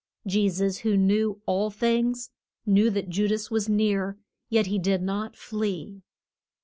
Je sus, who knew all things, knew that Ju das was near, yet he did not flee.